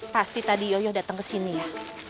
pasti tadi yoyo datang ke sini ya